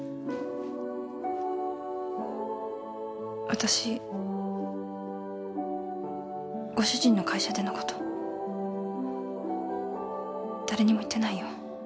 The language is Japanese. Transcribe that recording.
私ご主人の会社でのこと誰にも言ってないよ。